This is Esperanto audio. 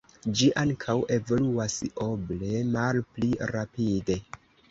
Ĝi ankaŭ evoluas oble malpli rapide.